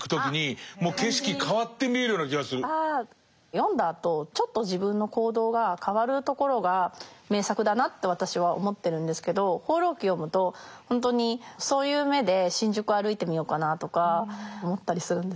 読んだあとちょっと自分の行動が変わるところが名作だなと私は思ってるんですけど「放浪記」を読むと本当にそういう目で新宿を歩いてみようかなとか思ったりするんですよね。